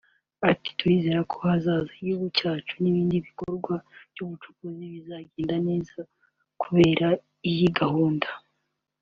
Ati “Turizera ko ahazaza h’igihugu cyacu n’ibindi bikorwa by’ubucuruzi bizagenda neza kubera iyi gahunda